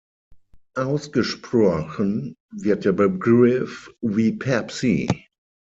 Ausgesprochen wird der Begriff wie Pepsi.